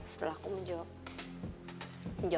setelah aku menjawab iya